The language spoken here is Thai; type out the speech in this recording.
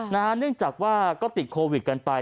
เนื่องจากว่าก็ติดโควิดกันไป